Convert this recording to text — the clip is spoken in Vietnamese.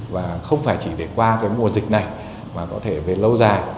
và không phải chỉ để qua cái mùa dịch này mà có thể về lâu dài